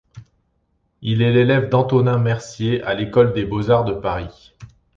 Il est l'élève d'Antonin Mercié à l'École des beaux-arts de Paris.